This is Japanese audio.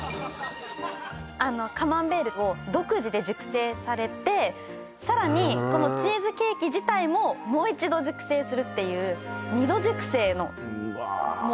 あのカマンベールを独自で熟成されてさらにこのチーズケーキ自体もへえもう一度熟成するっていう二度熟成のうわ